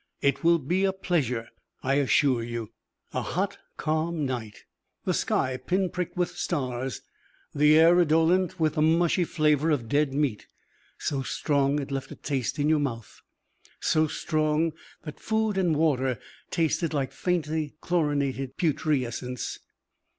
It will be a pleasure, I assure you." Hot calm night. The sky pin pricked with stars, the air redolent with the mushy flavour of dead meat. So strong it left a taste in the mouth. So strong that food and water tasted like faintly chlorinated putrescence.